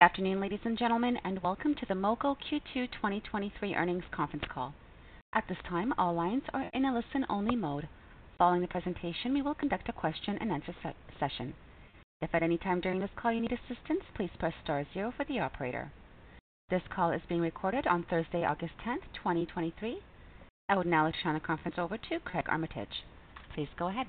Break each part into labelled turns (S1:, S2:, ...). S1: Good afternoon, ladies and gentlemen, and welcome to the Mogo Q2 2023 Earnings Conference Call. At this time, all lines are in a listen-only mode. Following the presentation, we will conduct a question-and-answer session. If at any time during this call you need assistance, please press star 0 for the operator. This call is being recorded on Thursday, August 10th, 2023. I would now turn the conference over to Craig Armitage. Please go ahead.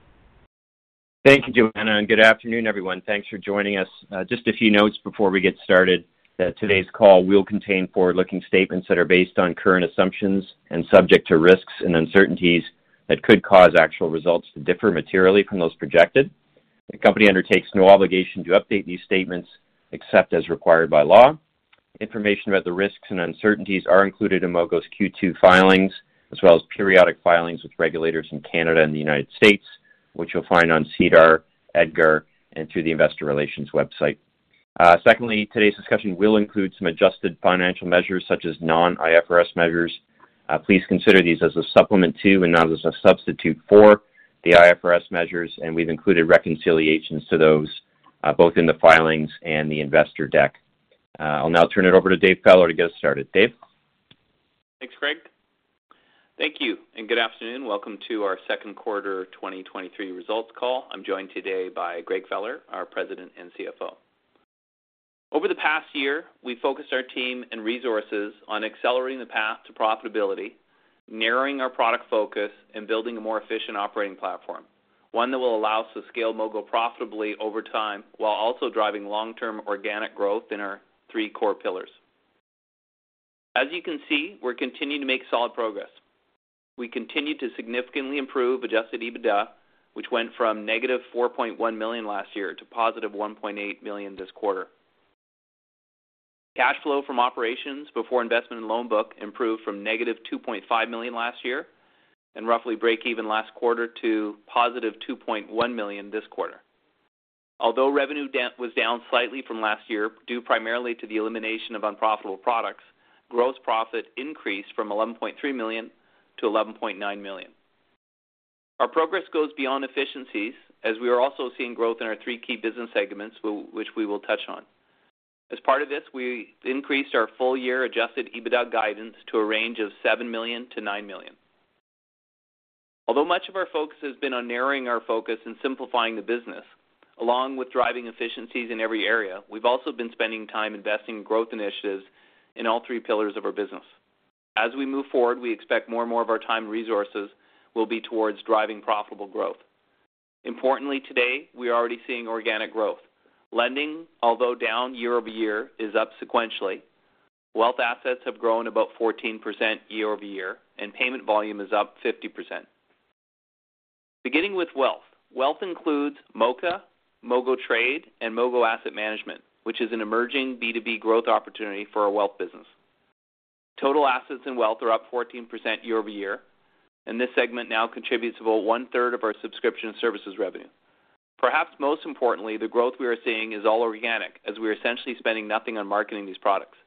S2: Thank you, Joanna, and good afternoon, everyone. Thanks for joining us. Just a few notes before we get started, that today's call will contain forward-looking statements that are based on current assumptions and subject to risks and uncertainties that could cause actual results to differ materially from those projected. The company undertakes no obligation to update these statements except as required by law. Information about the risks and uncertainties are included in Mogo's Q2 filings, as well as periodic filings with regulators in Canada and the United States, which you'll find on SEDAR, EDGAR, and through the investor relations website. Secondly, today's discussion will include some adjusted financial measures, such as non-IFRS measures. Please consider these as a supplement to, and not as a substitute for, the IFRS measures, and we've included reconciliations to those both in the filings and the investor deck. I'll now turn it over to David Feller to get us started. Dave?
S3: Thanks, Craig. Thank you. Good afternoon. Welcome to our second quarter 2023 results call. I'm joined today by Gregory Feller, our President and CFO. Over the past year, we focused our team and resources on accelerating the path to profitability, narrowing our product focus, and building a more efficient operating platform, one that will allow us to scale Mogo profitably over time, while also driving long-term organic growth in our three core pillars. As you can see, we're continuing to make solid progress. We continue to significantly improve adjusted EBITDA, which went from negative $4.1 million last year to positive $1.8 million this quarter. Cash flow from operations before investment in loan book improved from negative $2.5 million last year and roughly break even last quarter to positive $2.1 million this quarter. Although revenue debt was down slightly from last year due primarily to the elimination of unprofitable products, gross profit increased from $11.3 million to $11.9 million. Our progress goes beyond efficiencies, as we are also seeing growth in our three key business segments, which we will touch on. As part of this, we increased our full-year adjusted EBITDA guidance to a range of $7 million-$9 million. Although much of our focus has been on narrowing our focus and simplifying the business, along with driving efficiencies in every area, we've also been spending time investing in growth initiatives in all three pillars of our business. As we move forward, we expect more and more of our time and resources will be towards driving profitable growth. Importantly, today, we are already seeing organic growth. Lending, although down year-over-year, is up sequentially. Wealth assets have grown about 14% year-over-year, payment volume is up 50%. Beginning with wealth. Wealth includes Moka, MogoTrade, and Mogo Asset Management, which is an emerging B2B growth opportunity for our wealth business. Total assets in wealth are up 14% year-over-year, this segment now contributes about one-third of our subscription services revenue. Perhaps most importantly, the growth we are seeing is all organic, as we are essentially spending nothing on marketing these products.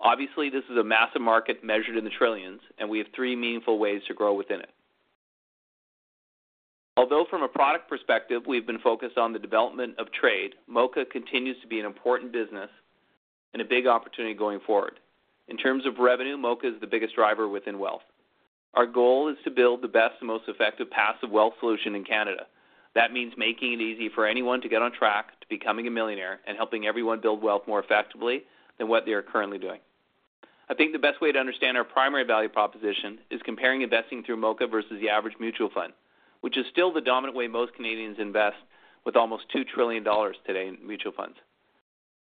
S3: Obviously, this is a massive market measured in the trillions, we have three meaningful ways to grow within it. From a product perspective, we've been focused on the development of trade, Moka continues to be an important business and a big opportunity going forward. In terms of revenue, Moka is the biggest driver within wealth. Our goal is to build the best and most effective passive wealth solution in Canada. That means making it easy for anyone to get on track to becoming a millionaire and helping everyone build wealth more effectively than what they are currently doing. I think the best way to understand our primary value proposition is comparing investing through Moka versus the average mutual fund, which is still the dominant way most Canadians invest, with almost 2 trillion dollars today in mutual funds.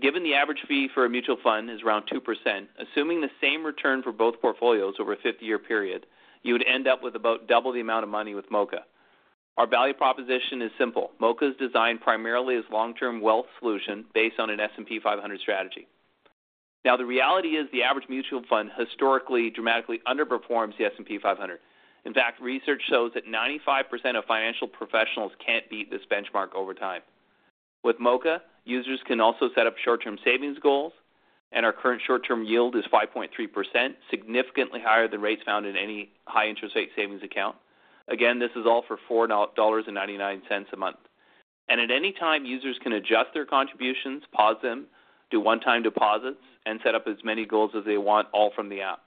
S3: Given the average fee for a mutual fund is around 2%, assuming the same return for both portfolios over a 50-year period, you would end up with about double the amount of money with Moka. Our value proposition is simple. Moka is designed primarily as long-term wealth solution based on an S&P 500 strategy. Now, the reality is the average mutual fund historically dramatically underperforms the S&P 500. In fact, research shows that 95% of financial professionals can't beat this benchmark over time. With Moka, users can also set up short-term savings goals, and our current short-term yield is 5.3%, significantly higher than rates found in any high interest rate savings account. Again, this is all for $4.99 a month. At any time, users can adjust their contributions, pause them, do one-time deposits, and set up as many goals as they want, all from the app.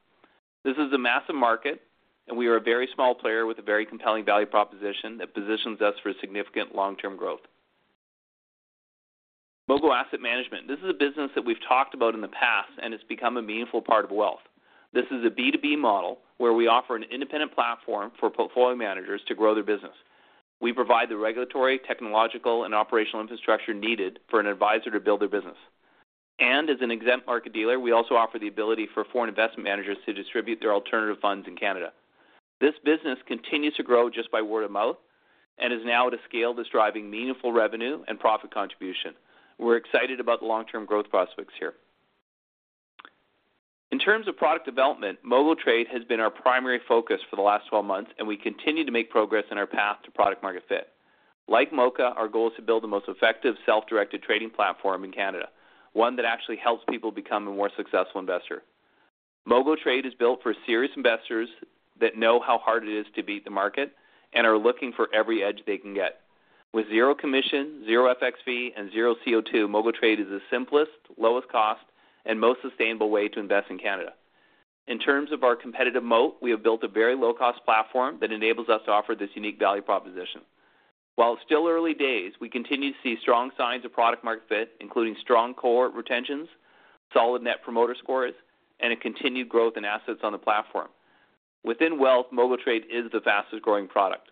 S3: This is a massive market, and we are a very small player with a very compelling value proposition that positions us for significant long-term growth. Mogo Asset Management. This is a business that we've talked about in the past, and it's become a meaningful part of wealth. This is a B2B model where we offer an independent platform for portfolio managers to grow their business. We provide the regulatory, technological, and operational infrastructure needed for an advisor to build their business. As an exempt market dealer, we also offer the ability for foreign investment managers to distribute their alternative funds in Canada. This business continues to grow just by word of mouth and is now at a scale that's driving meaningful revenue and profit contribution. We're excited about the long-term growth prospects here. In terms of product development, MogoTrade has been our primary focus for the last 12 months, and we continue to make progress in our path to product-market fit. Like Moka, our goal is to build the most effective self-directed trading platform in Canada, one that actually helps people become a more successful investor. MogoTrade is built for serious investors that know how hard it is to beat the market and are looking for every edge they can get. With zero commission, zero FX, and zero CO2, MogoTrade is the simplest, lowest cost, and most sustainable way to invest in Canada. In terms of our competitive moat, we have built a very low-cost platform that enables us to offer this unique value proposition. While it's still early days, we continue to see strong signs of product-market fit, including strong cohort retentions, solid Net Promoter Scores, and a continued growth in assets on the platform. Within wealth, MogoTrade is the fastest growing product.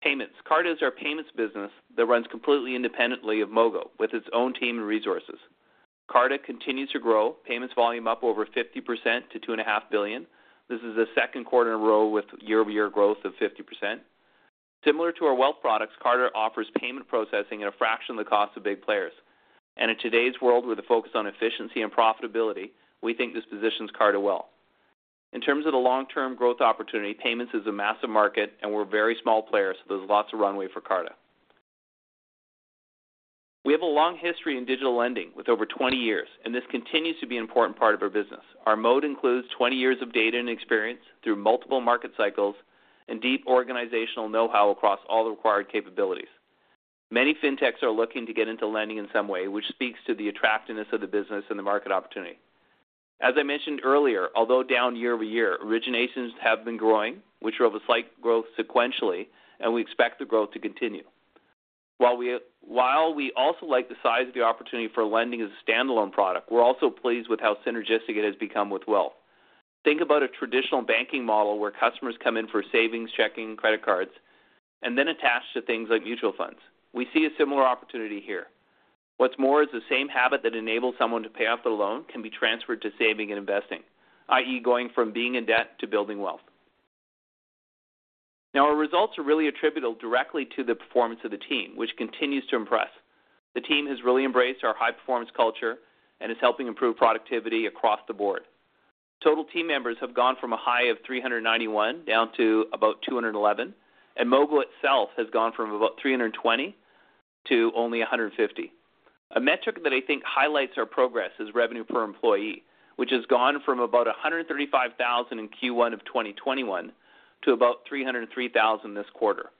S3: Payments. Carta is our payments business that runs completely independently of Mogo, with its own team and resources. Carta continues to grow payments volume up over 50% to $2.5 billion. This is the second quarter in a row with year-over-year growth of 50%. Similar to our wealth products, Carta offers payment processing at a fraction of the cost of big players. In today's world, with a focus on efficiency and profitability, we think this positions Carta well. In terms of the long-term growth opportunity, payments is a massive market and we're a very small player, so there's lots of runway for Carta. We have a long history in digital lending with over 20 years, and this continues to be an important part of our business. Our moat includes 20 years of data and experience through multiple market cycles and deep organizational know-how across all the required capabilities. Many fintechs are looking to get into lending in some way, which speaks to the attractiveness of the business and the market opportunity. As I mentioned earlier, although down year-over-year, originations have been growing, which drove a slight growth sequentially. We expect the growth to continue. While we also like the size of the opportunity for lending as a standalone product, we're also pleased with how synergistic it has become with wealth. Think about a traditional banking model, where customers come in for savings, checking, credit cards, and then attach to things like mutual funds. We see a similar opportunity here. What's more is the same habit that enables someone to pay off the loan can be transferred to saving and investing, i.e., going from being in debt to building wealth. Now, our results are really attributable directly to the performance of the team, which continues to impress. The team has really embraced our high-performance culture and is helping improve productivity across the board. Total team members have gone from a high of 391 down to about 211, and Mogo itself has gone from about 320 to only 150. A metric that I think highlights our progress is revenue per employee, which has gone from about 135,000 in Q1 of 2021 to about 303,000 this quarter,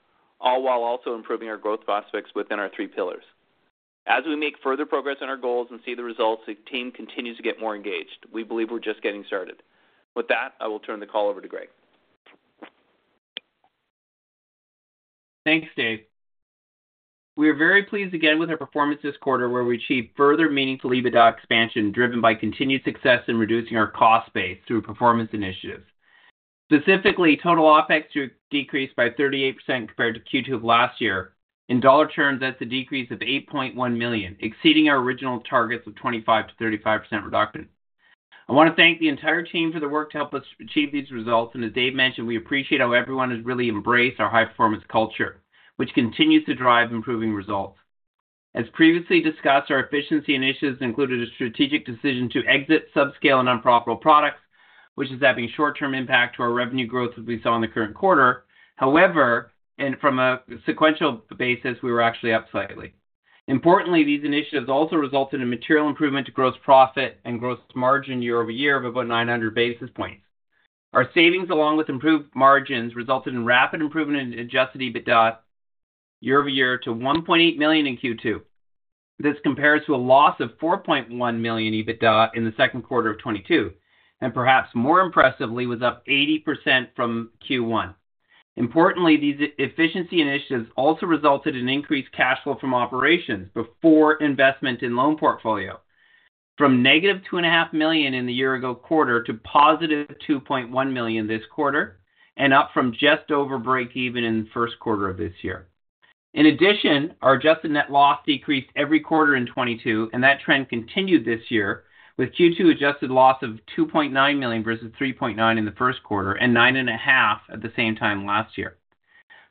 S3: all while also improving our growth prospects within our three pillars. As we make further progress on our goals and see the results, the team continues to get more engaged. We believe we're just getting started. With that, I will turn the call over to Greg.
S4: Thanks, Dave. We are very pleased again with our performance this quarter, where we achieved further meaningful EBITDA expansion, driven by continued success in reducing our cost base through performance initiatives. Specifically, total OpEx decreased by 38% compared to Q2 of last year. In dollar terms, that's a decrease of $8.1 million, exceeding our original targets of 25%-35% reduction. I want to thank the entire team for the work to help us achieve these results. As Dave mentioned, we appreciate how everyone has really embraced our high-performance culture, which continues to drive improving results. As previously discussed, our efficiency initiatives included a strategic decision to exit subscale and unprofitable products, which is having short-term impact to our revenue growth, as we saw in the current quarter. However, from a sequential basis, we were actually up slightly. Importantly, these initiatives also resulted in material improvement to gross profit and gross margin year-over-year of about 900 basis points. Our savings, along with improved margins, resulted in rapid improvement in adjusted EBITDA year-over-year to $1.8 million in Q2. This compares to a loss of $4.1 million EBITDA in the second quarter of 2022. Perhaps more impressively, was up 80% from Q1. Importantly, these efficiency initiatives also resulted in increased cash flow from operations before investment in loan portfolio, from -$2.5 million in the year-ago quarter to $2.1 million this quarter. Up from just over break even in the first quarter of this year. In addition, our adjusted net loss decreased every quarter in 2022. That trend continued this year with Q2 adjusted loss of $2.9 million versus $3.9 million in the first quarter and $9.5 million at the same time last year.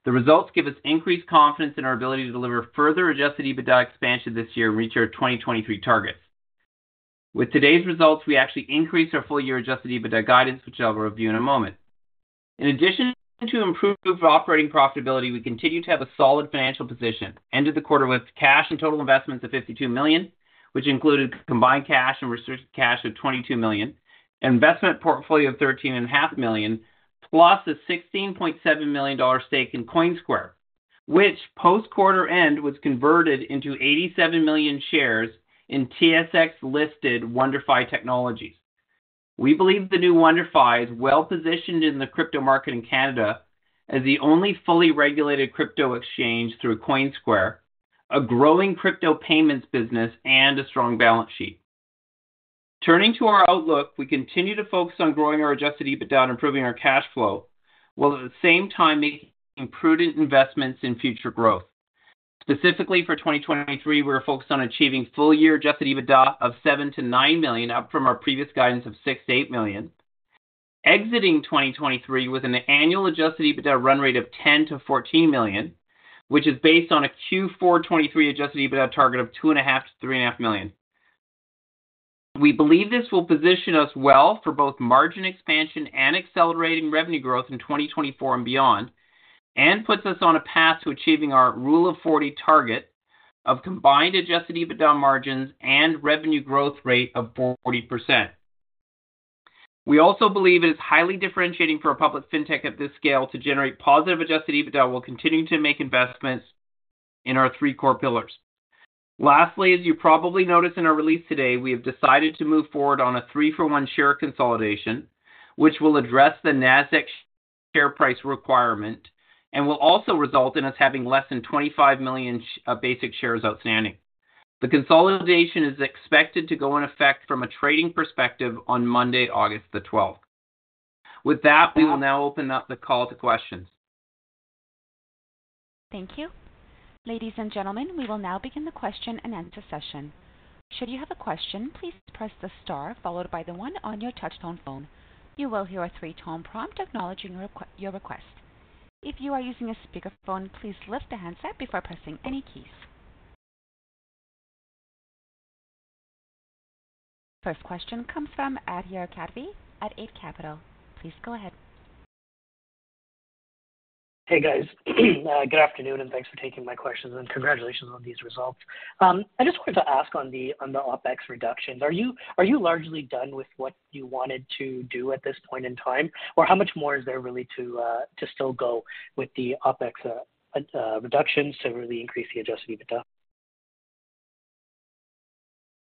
S4: The results give us increased confidence in our ability to deliver further adjusted EBITDA expansion this year and reach our 2023 targets. With today's results, we actually increased our full year adjusted EBITDA guidance, which I'll review in a moment. In addition to improved operating profitability, we continue to have a solid financial position, ended the quarter with cash and total investments of $52 million, which included combined cash and restricted cash of $22 million, investment portfolio of $13.5 million, plus a $16.7 million stake in Coinsquare, which post-quarter end was converted into 87 million shares in TSX-listed WonderFi Technologies. We believe the new WonderFi is well-positioned in the crypto market in Canada as the only fully regulated crypto exchange through Coinsquare, a growing crypto payments business, and a strong balance sheet. Turning to our outlook, we continue to focus on growing our adjusted EBITDA and improving our cash flow, while at the same time making prudent investments in future growth. Specifically, for 2023, we're focused on achieving full-year adjusted EBITDA of 7 million-9 million, up from our previous guidance of 6 million-8 million. Exiting 2023 with an annual adjusted EBITDA run rate of 10 million-14 million, which is based on a Q4 2023 adjusted EBITDA target of 2.5 million-3.5 million. We believe this will position us well for both margin expansion and accelerating revenue growth in 2024 and beyond, puts us on a path to achieving our Rule of 40 target of combined adjusted EBITDA margins and revenue growth rate of 40%. We also believe it is highly differentiating for a public Fintech at this scale to generate positive adjusted EBITDA. We'll continue to make investments in our 3 core pillars. Lastly, as you probably noticed in our release today, we have decided to move forward on a 3-for-1 share consolidation, which will address the Nasdaq share price requirement and will also result in us having less than 25 million shares outstanding. The consolidation is expected to go in effect from a trading perspective on Monday, August the twelfth. With that, we will now open up the call to questions.
S1: Thank you. Ladies and gentlemen, we will now begin the question and answer session. Should you have a question, please press the star followed by the 1 on your touchtone phone. You will hear a 3-tone prompt acknowledging your request. If you are using a speakerphone, please lift the handset before pressing any keys. First question comes from Adhir Kadve at Eight Capital. Please go ahead.
S5: Guys. good afternoon, and thanks for taking my questions, and congratulations on these results. I just wanted to ask on the OpEx reductions, are you largely done with what you wanted to do at this point in time? Or how much more is there really to still go with the OpEx reduction to really increase the adjusted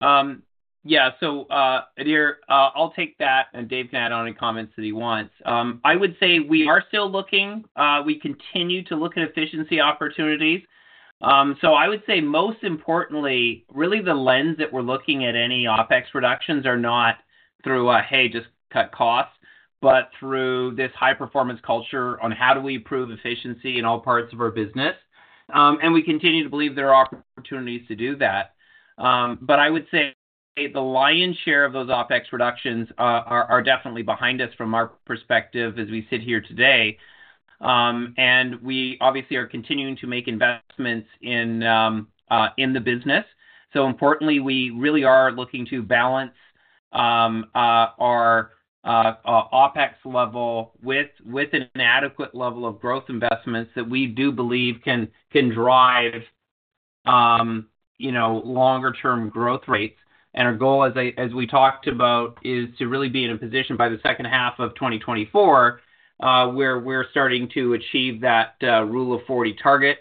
S5: EBITDA?
S4: Adhir, I'll take that, and Dave can add on any comments that he wants. I would say we are still looking. We continue to look at efficiency opportunities. I would say most importantly, really the lens that we're looking at any OpEx reductions are not through a, "Hey, just cut costs," but through this high-performance culture on how do we improve efficiency in all parts of our business. We continue to believe there are opportunities to do that. I would say the lion's share of those OpEx reductions are definitely behind us from our perspective as we sit here today. We obviously are continuing to make investments in the business. Importantly, we really are looking to balance our OpEx level with an adequate level of growth investments that we do believe can drive, you know, longer-term growth rates. Our goal, as I, as we talked about, is to really be in a position by the second half of 2024, where we're starting to achieve that Rule of 40 target,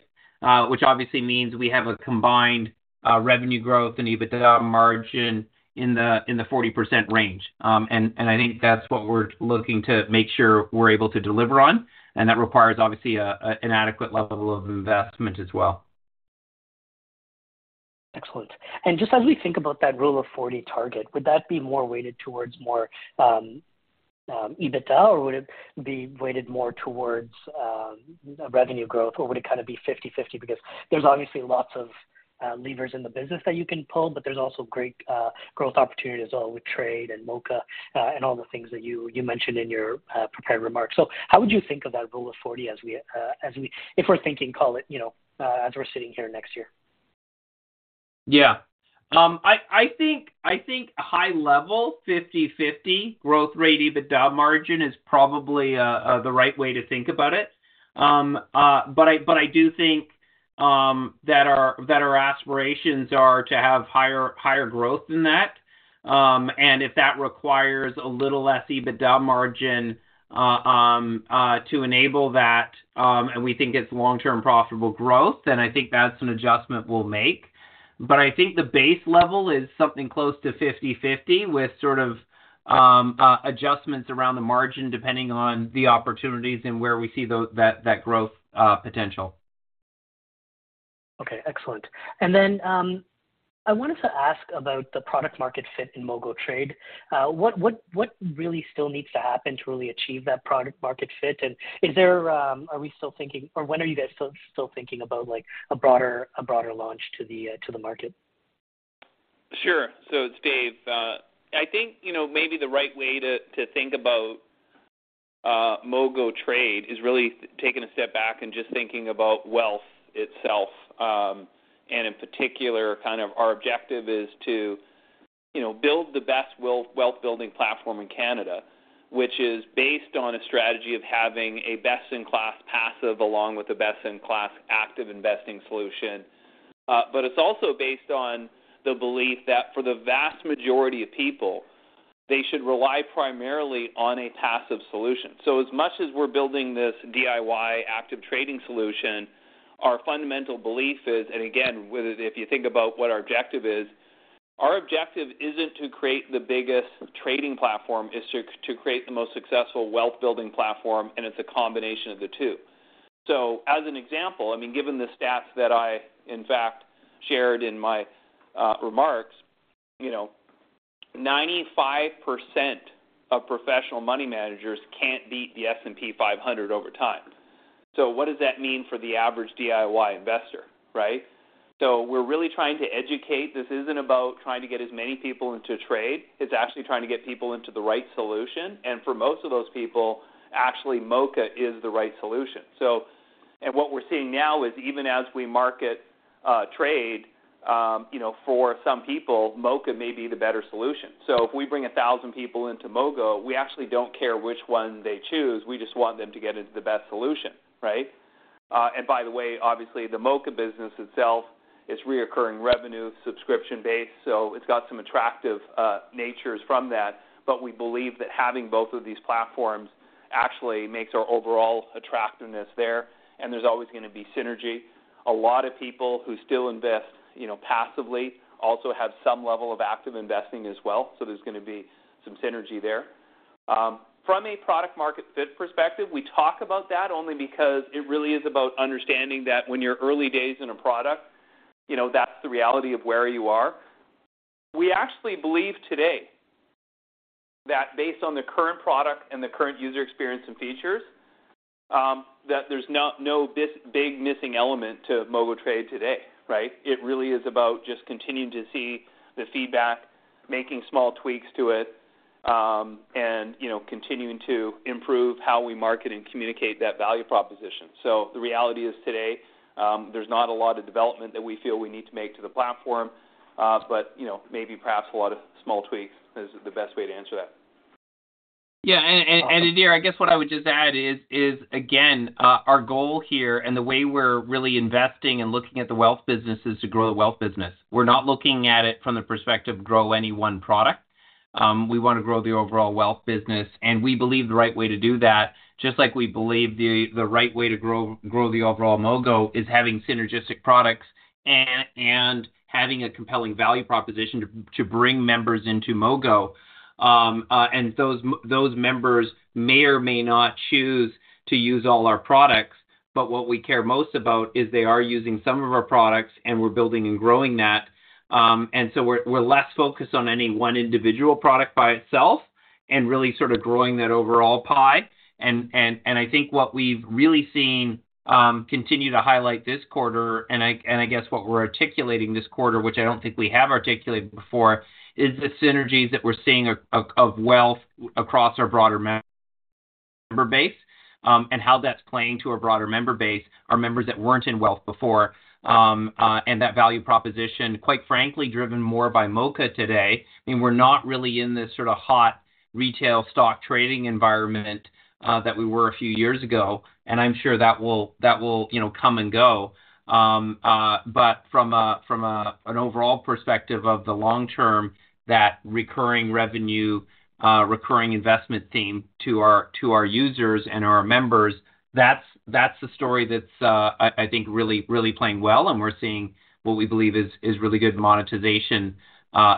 S4: which obviously means we have a combined revenue growth and EBITDA margin in the 40% range. I think that's what we're looking to make sure we're able to deliver on, and that requires, obviously, an adequate level of investment as well.
S5: Excellent. Just as we think about that Rule of 40 target, would that be more weighted towards more EBITDA, or would it be weighted more towards revenue growth, or would it be 50/50? There's obviously lots of levers in the business that you can pull, but there's also great growth opportunities as well with trade and Moka, and all the things that you mentioned in your prepared remarks. How would you think of that Rule of 40 as we, if we're thinking, call it, you know, as we're sitting here next year?
S4: High level, 50/50 growth rate EBITDA margin is probably the right way to think about it. I, but I do think that our aspirations are to have higher growth than that. If that requires a little less EBITDA margin to enable that, and we think it's long-term profitable growth, then I think that's an adjustment we'll make. I think the base level is something close to 50/50, with adjustments around the margin, depending on the opportunities and where we see that, that growth potential.
S5: Excellent. I wanted to ask about the product-market fit in MogoTrade. What really still needs to happen to really achieve that product-market fit? Is there... Are we still thinking, or when are you guys still thinking about like a broader launch to the market?
S3: Sure. It's Dave. I think, you know, maybe the right way to think about MogoTrade is really taking a step back and just thinking about wealth itself. In particular our objective is to, you know, build the best wealth, wealth-building platform in Canada, which is based on a strategy of having a best-in-class passive, along with a best-in-class active investing solution. It's also based on the belief that for the vast majority of people, they should rely primarily on a passive solution. As much as we're building this DIY active trading solution, our fundamental belief is, and again, whether if you think about what our objective is, our objective isn't to create the biggest trading platform, it's to create the most successful wealth-building platform, and it's a combination of the two. As an example, I mean, given the stats that in fact, shared in my remarks, you know, 95% of professional money managers can't beat the S&P 500 over time. What does that mean for the average DIY investor, right? We're really trying to educate. This isn't about trying to get as many people into trade, it's actually trying to get people into the right solution. For most of those people, actually, Moka is the right solution. What we're seeing now is, even as we market, trade, you know, for some people, Moka may be the better solution. If we bring 1,000 people into Mogo, we actually don't care which one they choose. We just want them to get into the best solution, right? By the way, obviously, the Moka business itself is recurring revenue, subscription-based, so it's got some attractive natures from that. We believe that having both of these platforms actually makes our overall attractiveness there, and there's always gonna be synergy. A lot of people who still invest, you know, passively, also have some level of active investing as well, so there's gonna be some synergy there. From a product-market fit perspective, we talk about that only because it really is about understanding that when you're early days in a product, you know, that's the reality of where you are. We actually believe today that based on the current product and the current user experience and features, that there's no big missing element to MogoTrade today, right? It really is about just continuing to see the feedback, making small tweaks to it, and, you know, continuing to improve how we market and communicate that value proposition. The reality is today, there's not a lot of development that we feel we need to make to the platform, but, you know, maybe perhaps a lot of small tweaks is the best way to answer that.
S4: Adhir, what I would just add is, again, our goal here and the way we're really investing and looking at the wealth business is to grow the wealth business. We're not looking at it from the perspective, grow any one product. We wanna grow the overall wealth business, and we believe the right way to do that, just like we believe the, the right way to grow the overall Mogo, is having synergistic products and having a compelling value proposition to bring members into Mogo. Those members may or may not choose to use all our products, but what we care most about is they are using some of our products, and we're building and growing that. We're less focused on any one individual product by itself and really growing that overall pie and I think what we've really seen, continue to highlight this quarter, and I, and I guess what we're articulating this quarter, which I don't think we have articulated before, is the synergies that we're seeing of wealth across our broader member base, and how that's playing to our broader member base, our members that weren't in wealth before. that value proposition, quite frankly, driven more by Moka today, I mean, we're not really in this hot retail stock trading environment, that we were a few years ago, and I'm sure that will, you know, come and go. From an overall perspective of the long term, that recurring revenue, recurring investment theme to our users and our members, that's the story that's I think really playing well, and we're seeing what we believe is really good monetization,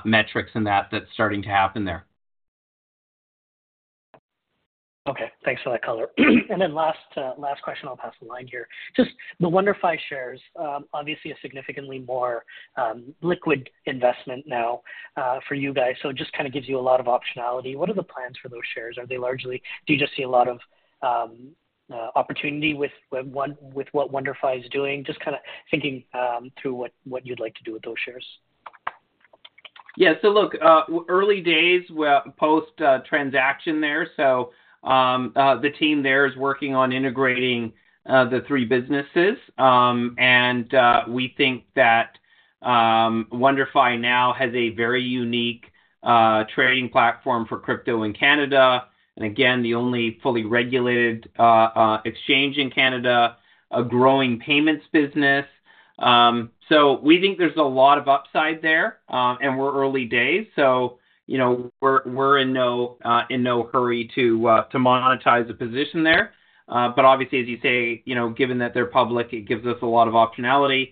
S4: metrics in that, that's starting to happen there.
S5: Thanks for that color. Then last question, I'll pass the line here. Just the WonderFi shares, obviously a significantly more liquid investment now for you guys, so it just gives you a lot of optionality. What are the plans for those shares? Do you just see a lot of opportunity with what WonderFi is doing? Just thinking through what you'd like to do with those shares.
S4: Look, early days post transaction there. The team there is working on integrating the three businesses. We think that WonderFi now has a very unique trading platform for crypto in Canada, and again, the only fully regulated exchange in Canada, a growing payments business. We think there's a lot of upside there. We're early days. You know, we're in no hurry to monetize the position there. Obviously, as you say, you know, given that they're public, it gives us a lot of optionality.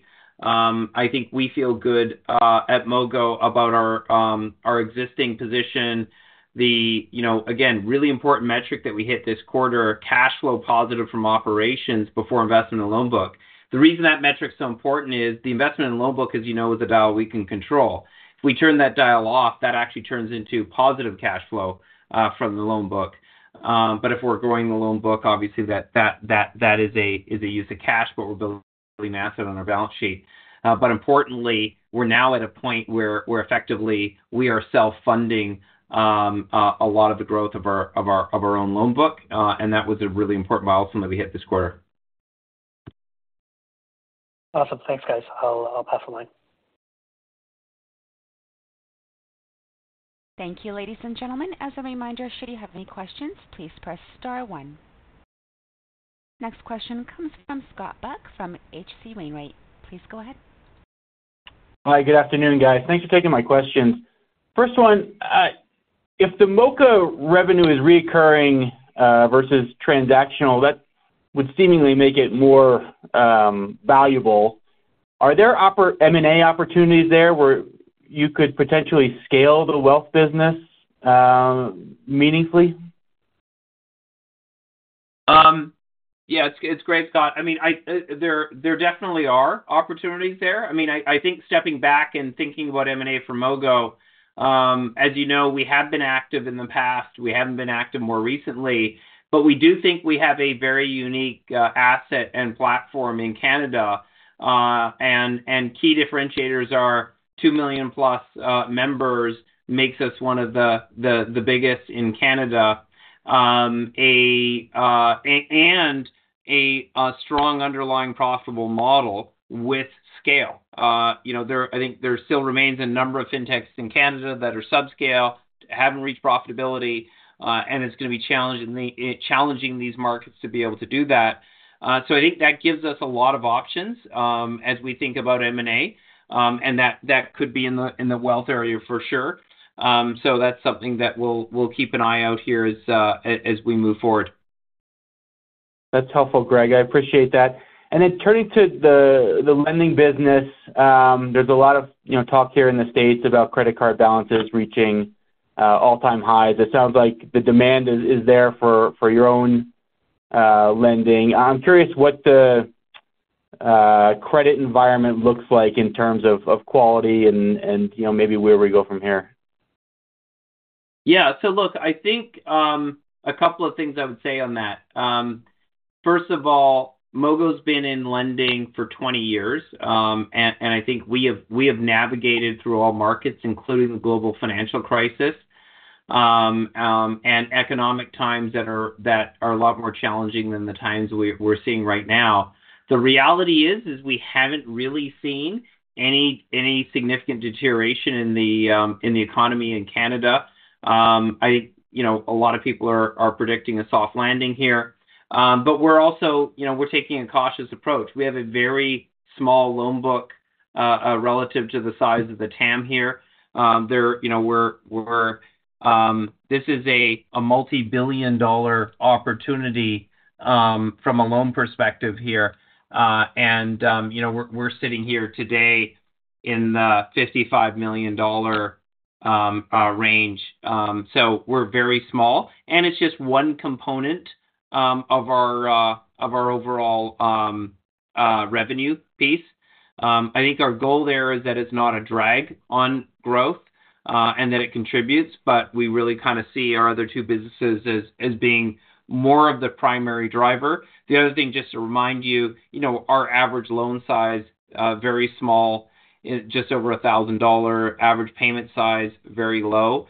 S4: We feel good at Mogo about our existing position. You know, again, really important metric that we hit this quarter, cash flow positive from operations before investment in the loan book. The reason that metric is so important is the investment in the loan book, as you know, is a dial we can control. If we turn that dial off, that actually turns into positive cash flow from the loan book. If we're growing the loan book, obviously, that is a use of cash, but we're building really massive on our balance sheet. Importantly, we're now at a point where we're effectively we are self-funding, a lot of the growth of our own loan book, and that was a really important milestone that we hit this quarter.
S5: Awesome. Thanks, guys. I'll pass the line.
S1: Thank you, ladies and gentlemen. As a reminder, should you have any questions, please press star one. Next question comes from Scott Buck from H.C. Wainwright. Please go ahead.
S6: Hi, good afternoon, guys. Thanks for taking my questions. First one, if the Moka revenue is reoccurring versus transactional, that would seemingly make it more valuable. Are there M&A opportunities there where you could potentially scale the wealth business meaningfully?
S4: It's great, Scott. I mean there definitely are opportunities there. I mean, I think stepping back and thinking about M&A for Mogo, as you know, we have been active in the past. We haven't been active more recently, but we do think we have a very unique asset and platform in Canada. Key differentiators are 2 million-plus members makes us one of the biggest in Canada. A strong underlying profitable model with scale. You know, there, I think there still remains a number of fintechs in Canada that are subscale, haven't reached profitability, and it's gonna be challenging these markets to be able to do that. I think that gives us a lot of options as we think about M&A, that could be in the wealth area for sure. That's something that we'll keep an eye out here as we move forward.
S6: That's helpful, Greg. I appreciate that. Turning to the, the lending business, there's a lot of, you know, talk here in the States about credit card balances reaching all-time highs. It sounds like the demand is there for your own lending. I'm curious what the credit environment looks like in terms of quality and, you know, maybe where we go from here.
S4: Look, I think a couple of things I would say on that. First of all, Mogo's been in lending for 20 years, I think we have, we have navigated through all markets, including the global financial crisis, and economic times that are, that are a lot more challenging than the times we're seeing right now. The reality is we haven't really seen any significant deterioration in the economy in Canada. I, you know, a lot of people are predicting a soft landing here. We're also, you know, we're taking a cautious approach. We have a very small loan book, relative to the size of the TAM here. There, you know, we're. This is a multi-billion dollar opportunity from a loan perspective here. We're sitting here today in the $55 million range. We're very small, and it's just one component of our of our overall revenue piece. I think our goal there is that it's not a drag on growth, and that it contributes, but we really see our other two businesses as being more of the primary driver. The other thing, just to remind you know, our average loan size, very small, just over a $1,000. Average payment size, very low.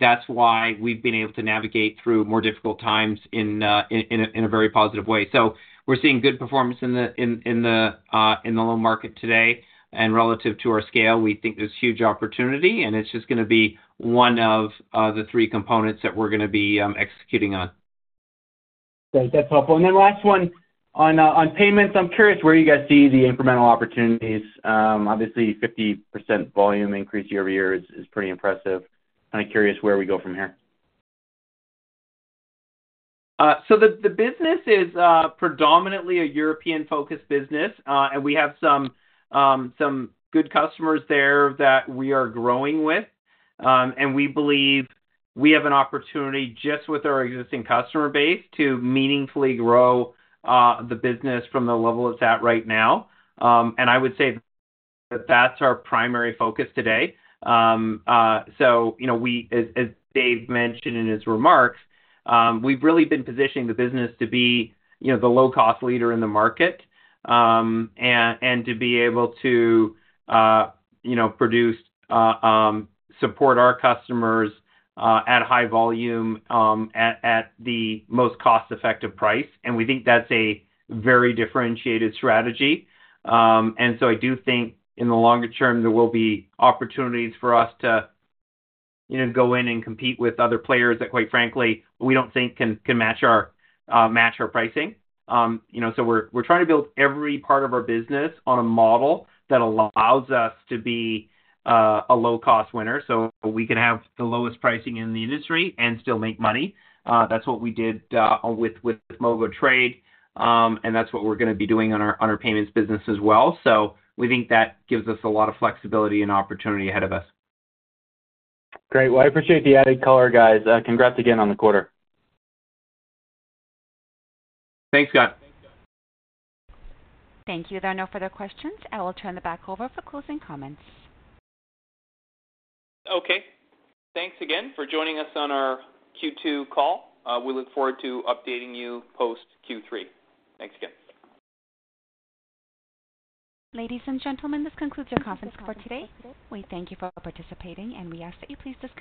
S4: That's why we've been able to navigate through more difficult times in a in a very positive way. We're seeing good performance in the loan market today, and relative to our scale, we think there's huge opportunity, and it's just gonna be one of the three components that we're gonna be executing on.
S6: Great. That's helpful. Last one. On payments, I'm curious where you guys see the incremental opportunities. Obviously, 50% volume increase year-over-year is pretty impressive. Curious where we go from here.
S4: The business is predominantly a European-focused business, and we have some good customers there that we are growing with. We believe we have an opportunity, just with our existing customer base, to meaningfully grow the business from the level it's at right now. I would say that that's our primary focus today. You know, we as Dave mentioned in his remarks, we've really been positioning the business to be, you know, the low-cost leader in the market, and to be able to, you know, produce, support our customers at high volume, at the most cost-effective price. And we think that's a very differentiated strategy. I do think in the longer term, there will be opportunities for us to, you know, go in and compete with other players that, quite frankly, we don't think can match our pricing. You know, we're trying to build every part of our business on a model that allows us to be a low-cost winner, so we can have the lowest pricing in the industry and still make money. That's what we did with MogoTrade, that's what we're gonna be doing on our payments business as well. We think that gives us a lot of flexibility and opportunity ahead of us.
S6: Great. I appreciate the added color, guys. Congrats again on the quarter.
S4: Thanks, Scott.
S1: Thank you. There are no further questions. I will turn it back over for closing comments. Thanks again for joining us on our Q2 call. We look forward to updating you post-Q3. Thanks again. Ladies and gentlemen, this concludes your conference call today. We thank you for participating. We ask that you please disconnect.